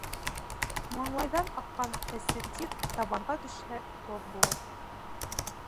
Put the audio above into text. Маңлайҙан аҡҡан әсе тир, табанға төшһә, тоҙ булыр.